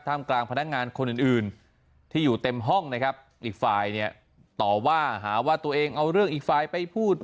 กลางพนักงานคนอื่นอื่นที่อยู่เต็มห้องนะครับอีกฝ่ายเนี่ยต่อว่าหาว่าตัวเองเอาเรื่องอีกฝ่ายไปพูด